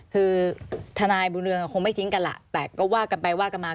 คือทนายบุญเรืองคงไม่ทิ้งกันล่ะแต่ก็ว่ากันไปว่ากันมา